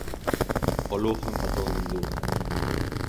O Lugo empatou en Anduva.